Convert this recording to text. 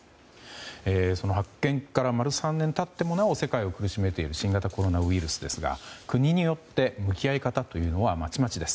発見から丸３年から経ってもなお世界を苦しめている新型コロナウイルスですが国によって向き合い方というのはまちまちです。